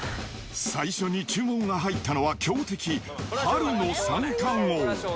最初に注文が入ったのは、強敵、春の三貫王。